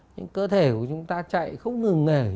những cơ thể của chúng ta chạy không ngừng nghỉ